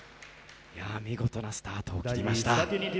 見事なスタートを切りました。